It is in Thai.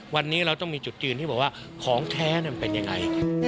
วันนี้เราต้องมีจุดยืนที่บอกว่าของแท้มันเป็นยังไง